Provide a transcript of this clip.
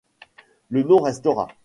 Le nom restera.